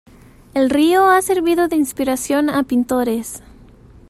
El río ha servido de inspiración a pintores.